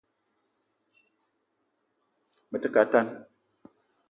Me te ke a tan